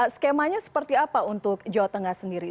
skemanya seperti apa untuk jawa tengah sendiri